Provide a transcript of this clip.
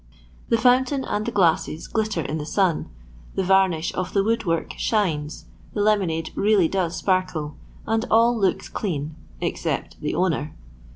The fountain and the glasses glitter in the sun, the varnish of the wood work shines, the lemonade really does sparkle, and all looks dean — except the owner.